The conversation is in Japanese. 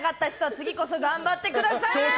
次こそ頑張ってください。